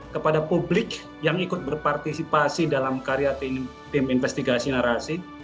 kepada publik yang ikut berpartisipasi dalam karya tim investigasi narasi